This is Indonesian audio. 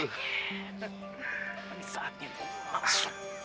ini saatnya gue masuk